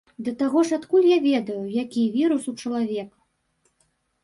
Да таго ж адкуль я ведаю, які вірус у чалавека?